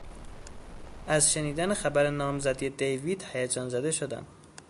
از شنیدن خبر نامزدی دیوید هیجان زده شدم.